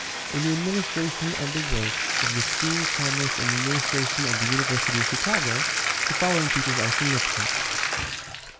In the administration of the work of the School of Commerce and Administration of the University of Chicago the following features are significant: I.